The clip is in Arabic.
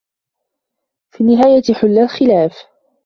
في النهاية حل الخلاف.